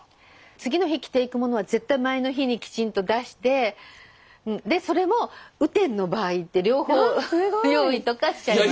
次の日着ていくものは絶対前の日にきちんと出してでそれも雨天の場合って両方用意とかしちゃいますね。